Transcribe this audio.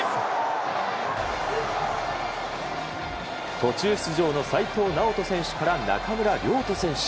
途中出場の齋藤直人選手から中村亮土選手。